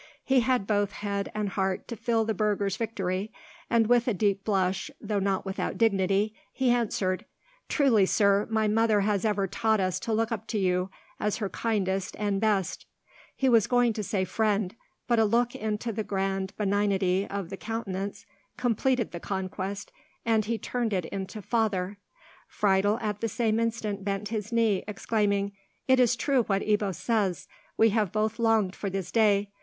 He had both head and heart to feel the burgher's victory, and with a deep blush, though not without dignity, he answered, "Truly, sir, my mother has ever taught us to look up to you as her kindest and best—" He was going to say "friend," but a look into the grand benignity of the countenance completed the conquest, and he turned it into "father." Friedel at the same instant bent his knee, exclaiming, "It is true what Ebbo says! We have both longed for this day.